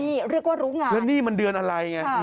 นี่เรียกว่ารู้งานแล้วนี่มันเดือนอะไรไง